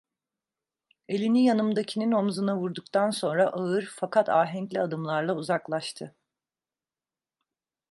Elini yanımdakinin omuzuna vurduktan sonra ağır, fakat ahenkli adımlarla uzaklaştı.